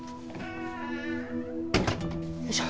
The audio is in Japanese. よいしょ